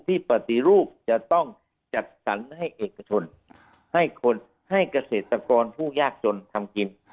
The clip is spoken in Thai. ปฏิรูปจะต้องจัดสรรให้เอกชนให้คนให้เกษตรกรผู้ยากจนทำกิน